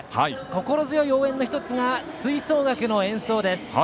心強い応援の１つが吹奏楽の演奏です。